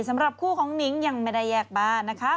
สำหรับคู่ของนิ้งยังไม่ได้แยกบ้านนะคะ